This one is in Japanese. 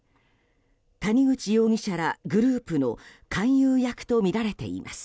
谷口容疑者らグループの勧誘役とみられています。